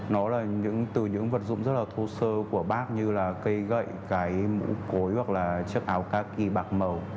nó là từ những vật dụng rất là thô sơ của bác như là cây gậy cái cối hoặc là chiếc áo các kỳ bạc màu